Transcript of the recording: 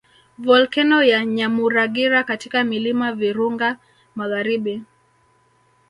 Volkeno ya Nyamuragira katika milima Virunga magharibi